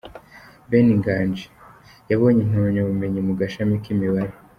Ben Nganji: yabonye impamyabumenyi mu gashami k’imibare.